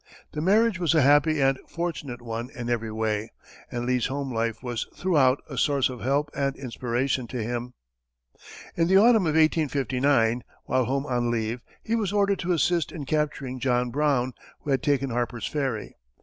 The marriage was a happy and fortunate one in every way, and Lee's home life was throughout a source of help and inspiration to him. In the autumn of 1859, while home on leave, he was ordered to assist in capturing John Brown, who had taken Harper's Ferry.